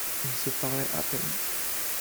Ils se parlaient à peine.